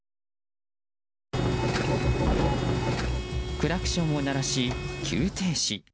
クラクションを鳴らし、急停止。